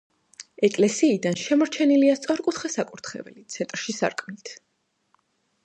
ეკლესიიდან შემორჩენილია სწორკუთხა საკურთხეველი ცენტრში სარკმლით.